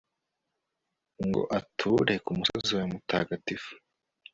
ngo ature ku musozi wawe mutagatifu